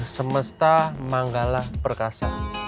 semesta manggala perkasa